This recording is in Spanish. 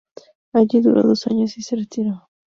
Allí duró dos años y se retiró.